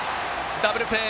ダブルプレー。